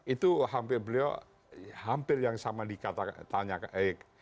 itu hampir beliau hampir yang sama dikatakan tanya dijawab oleh